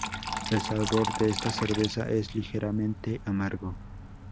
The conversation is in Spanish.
El sabor de esta cerveza es ligeramente amargo.